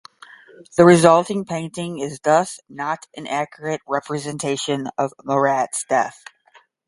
The resulting painting is thus not an accurate representation of Marat's death.